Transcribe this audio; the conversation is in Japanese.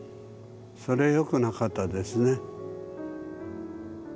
それよくなかったですね。